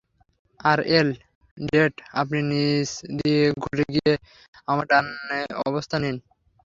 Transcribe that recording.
RL date, আপনি নিচ দিয়ে ঘুরে গিয়ে আমার ডানে অবস্থান নিন।